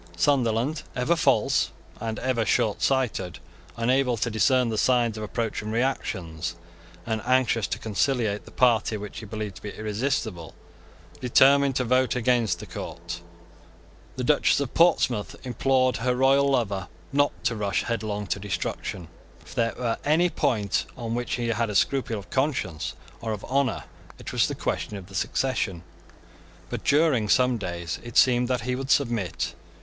Sunderland, ever false, and ever shortsighted, unable to discern the signs of approaching reaction, and anxious to conciliate the party which he believed to be irresistible, determined to vote against the court. The Duchess of Portsmouth implored her royal lover not to rush headlong to destruction. If there were any point on which he had a scruple of conscience or of honour, it was the question of the succession; but during some days it seemed that he would submit.